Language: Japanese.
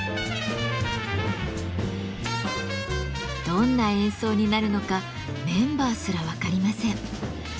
どんな演奏になるのかメンバーすら分かりません。